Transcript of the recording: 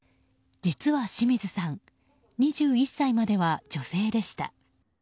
実は清水さん２１歳までは女性でした。